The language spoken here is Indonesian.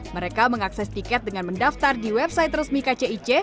mereka mengakses tiket dengan mendaftar di website resmi kcic